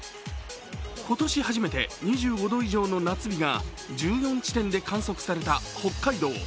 今年初めて２５度以上の夏日が１４地点で観測された北海道。